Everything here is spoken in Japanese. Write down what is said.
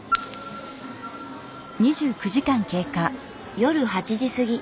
夜８時過ぎ。